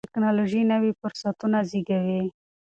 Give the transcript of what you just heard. ټیکنالوژي نوي فرصتونه زیږوي.